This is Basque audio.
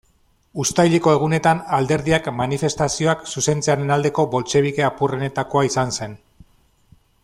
Uztaileko Egunetan, alderdiak manifestazioak zuzentzearen aldeko boltxebike apurrenetakoa izan zen.